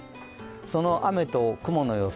その雨と雲の予想。